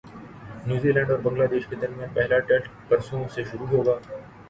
New Zealand اور Bangladesh کے درمیان پہلا ٹیسٹ پرسوں سے شروع ہوگا